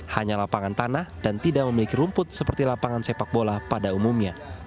hanya lapangan tanah dan tidak memiliki rumput seperti lapangan sepak bola pada umumnya